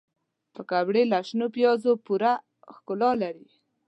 پکورې له شنو پیازو پوره ښکلا لري